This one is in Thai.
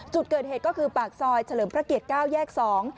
จุดเกิดเหตุก็คือปากซอยเฉลิมพระเกียรติเก้าแยกสอง